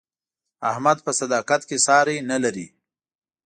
احمد په صداقت کې ساری نه لري.